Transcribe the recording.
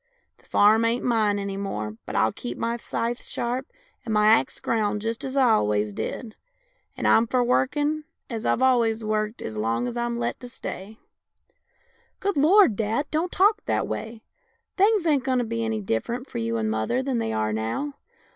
The farm ain't mine any more, but I'll keep my scythe sharp and my axe ground just as I always did, and I'm for workin' as I've always worked as long as I'm let to stay." " Good Lord, dad, don't talk that way. Things ain't going to be any different for you and mother than they are now.